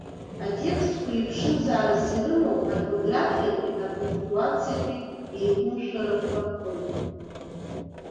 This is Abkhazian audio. Атекстқәа еиԥшымзаарас ирымоу аорфографиатәии апунктуациатәии еиқәымшәарақәа роуп.